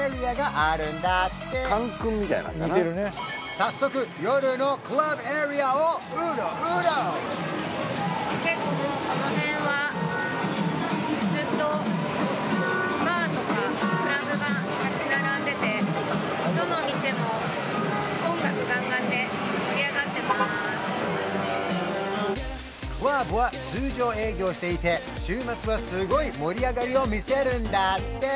似てるね早速クラブは通常営業していて週末はすごい盛り上がりを見せるんだって！